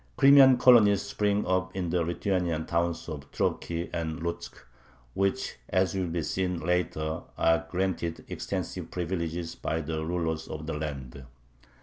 Crimean colonies spring up in the Lithuanian towns of Troki and Lutzk, which, as will be seen later, are granted extensive privileges by the ruler of the land.